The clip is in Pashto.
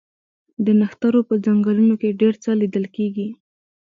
د نښترو په ځنګلونو کې ډیر څه لیدل کیږي